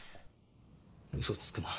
「嘘つくな」